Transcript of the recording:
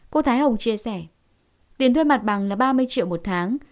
cô thái hồng chia sẻ tiền thuê mặt bằng là ba mươi triệu một tháng